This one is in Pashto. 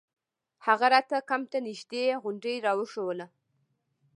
هغه راته کمپ ته نژدې غونډۍ راوښووله.